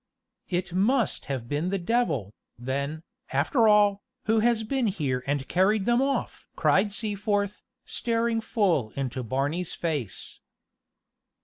"It must have been the devil, then, after all, who has been here and carried them off!" cried Seaforth, staring full into Barney's face.